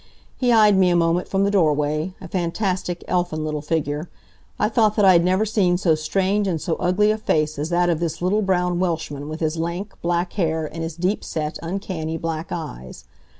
He eyed me a moment from the doorway, a fantastic, elfin little figure. I thought that I had never seen so strange and so ugly a face as that of this little brown Welshman with his lank, black hair and his deep set, uncanny black eyes.